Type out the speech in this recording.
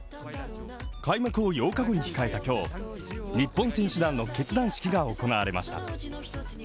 開幕を８日後に控えた今日日本選手団の結団式が行われました。